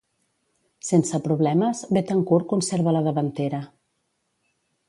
Sense problemes, Betancur conserva la davantera.